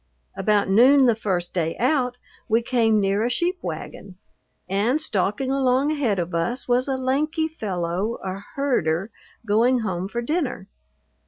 About noon the first day out we came near a sheep wagon, and stalking along ahead of us was a lanky fellow, a herder, going home for dinner.